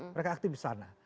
mereka aktif di sana